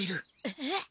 えっ？